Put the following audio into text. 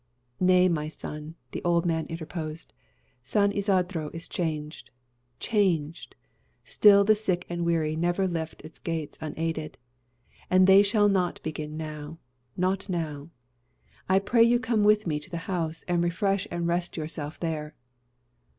"Nay, my son," the old man interposed; "San Isodro is changed changed! Still the sick and weary never left its gates unaided; and they shall not begin now not now. I pray you come with me to the house, and refresh and rest yourself there."